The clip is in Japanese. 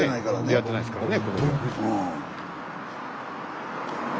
出会ってないですからね。